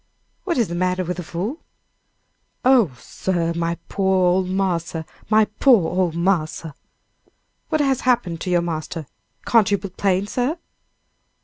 "What is the matter with the fool?" "Oh, sir; my poor ole marse! my poor ole marse!" "What has happened to your master? Can't you be plain, sir?"